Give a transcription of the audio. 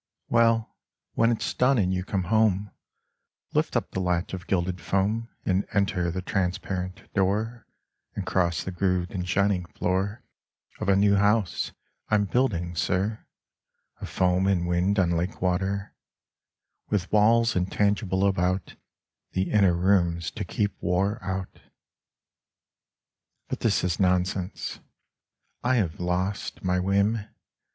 " Well, when it's done and you come home, Lift up the latch of gilded foam And enter the transparent door And cross the grooved and shining floor Of a new house I'm building, sir, Of foam and wind on lake water, With walls intangible about The inner rooms, to keep war out ! But this is nonsense. I have lost My whim.